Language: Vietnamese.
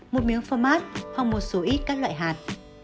một miếng format hoặc một số ít các loại hạt